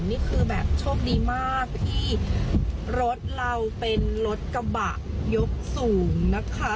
นี่คือแบบโชคดีมากที่รถเราเป็นรถกระบะยกสูงนะคะ